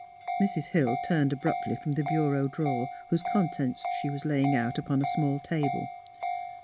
Mrs. Hill turned abruptly from the bureau drawer whose contents she was laying out upon a small table.